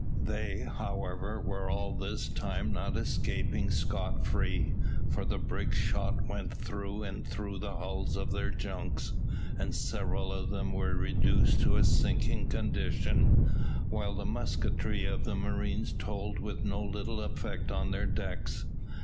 They, however, were all this time not escaping scot free, for the brig's shot went through and through the hulls of their junks, and several of them were reduced to a sinking condition; while the musketry of the marines told with no little effect on their decks.